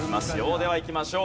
ではいきましょう。